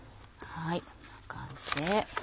こんな感じで。